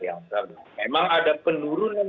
yang karena memang ada penurunan